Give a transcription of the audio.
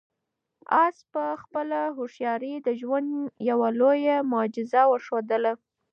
آس په خپله هوښیارۍ د ژوند یوه لویه معجزه وښودله.